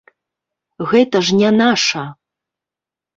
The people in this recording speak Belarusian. Гэта ж не наша!